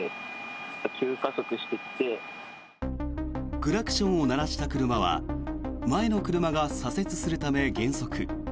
クラクションを鳴らした車は前の車が左折するため、減速。